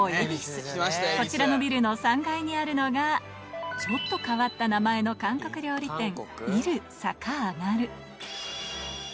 こちらのビルの３階にあるのがちょっと変わった名前の韓国料理店